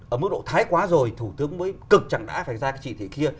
ở mức độ thái quá rồi thủ tướng mới cực chẳng đã phải ra cái chỉ thị kia